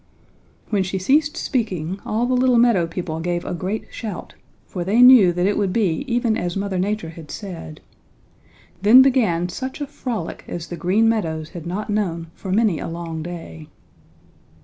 "When she ceased speaking all the little meadow people gave a great shout, for they knew that it would be even as Mother Nature had said. Then began such a frolic as the Green Meadows had not known for many a long day.